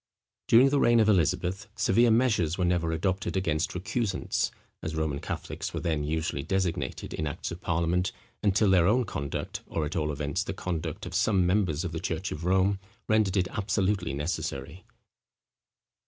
During the reign of Elizabeth, severe measures were never adopted against recusants, as Roman Catholics were then usually designated in acts of parliament, until their own conduct, or at all events, the conduct of some members of the church of Rome, rendered it absolutely necessary.